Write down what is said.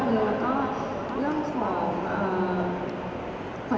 ที่มีความรู้สึกกว่าที่มีความรู้สึกกว่า